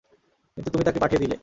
কিন্তু তুমি তাকে পাঠিয়ে দিলে।